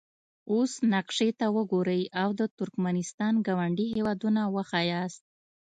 اوس نقشې ته وګورئ او د ترکمنستان ګاونډي هیوادونه وښایاست.